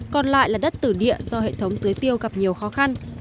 còn lại là đất tử địa do hệ thống tưới tiêu gặp nhiều khó khăn